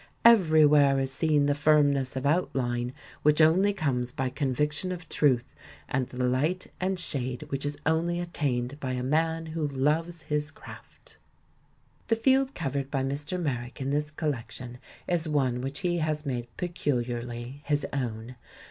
Everywhere is seen the firmness of out line which only comes by conviction of truth, and xiv INTRODUCTION the light and shade which is only attained by a man who loves his craft. The field covered by Mr. Merrick in this col lection is one which he has made peculiarly his own.